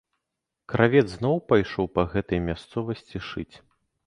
Кравец зноў пайшоў па гэтай мясцовасці шыць.